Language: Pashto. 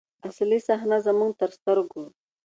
اصلي صحنه زموږ تر سترګو.